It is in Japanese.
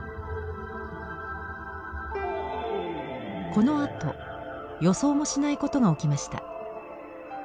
このあと予想もしないことが起きました。